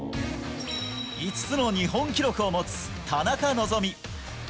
５つの日本記録を持つ田中希実。